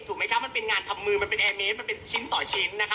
แต่มันใช้เป็นงานที่จอมูลมันเป็นแอร์เมฆมันเป็นชิ้นต่อชิ้น